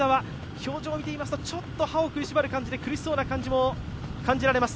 表情を見ていますと、歯を食いしばる感じで苦しそうな感じも感じられます。